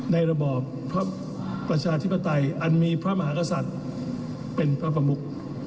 ระบอบประชาธิปไตยอันมีพระมหากษัตริย์เป็นพระประมุก